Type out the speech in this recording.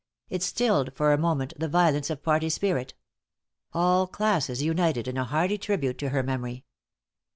It stilled for a moment the violence of party spirit. All classes united in a hearty tribute to her memory.